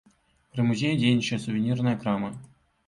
Пры музеі дзейнічае сувенірная крама.